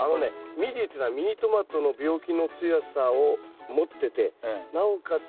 ミディっていうのはミニトマトの病気の強さを持っててなおかつ